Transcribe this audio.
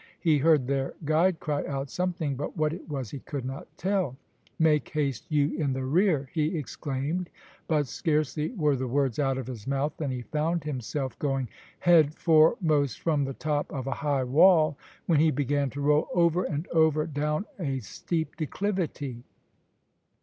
He heard their guide cry out something, but what it was he could not tell. "Make haste you in the rear," he exclaimed, but scarcely were the words out of his mouth than he found himself going headforemost from the top of a high wall, when he began to roll over and over, down a steep declivity.